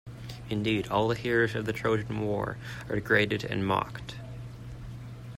Indeed, all the heroes of the Trojan War are degraded and mocked.